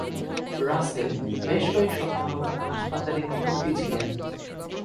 রাসেল বেশ কয়েক সপ্তাহ হাসপাতালে ভর্তি ছিলেন।